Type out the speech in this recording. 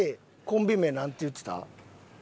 コンビ名なんて言ってた？